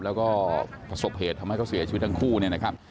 แล้วก็ประสบเหตุทำให้เขาเสียชีวิตทั้งคู่เนี่ยนะครับ